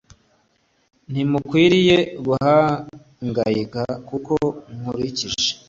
ntimukwiriye guhangayika kuko nkurikije